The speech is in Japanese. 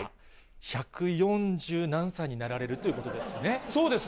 百四十何歳になられるということですね？